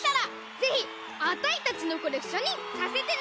ぜひあたいたちのコレクションにさせてね！